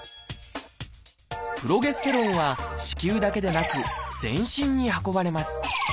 プロゲステロンは子宮だけでなく全身に運ばれます。